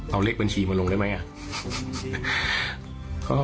เอาเลขบัญชีมาลงได้ไหมอ่ะ